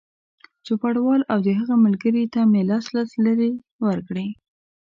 چوپړوال او د هغه ملګري ته مې لس لس لېرې ورکړې.